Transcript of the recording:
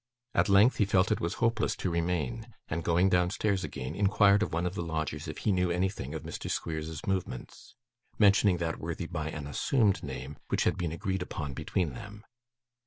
At length he felt it was hopeless to remain, and going downstairs again, inquired of one of the lodgers if he knew anything of Mr. Squeers's movements mentioning that worthy by an assumed name which had been agreed upon between them.